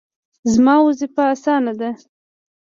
زما وظیفه اسانه ده